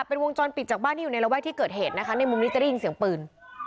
เป็นวงจรปิดจากบ้านที่อยู่ในระแวกที่เกิดเหตุนะคะในมุมนี้จะได้ยินเสียงปืน